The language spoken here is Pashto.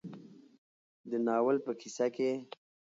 د ناول په کيسه کې